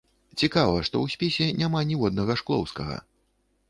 Цікава, што ў спісе няма ніводнага шклоўскага.